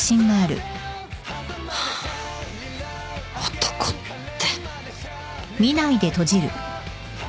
男って。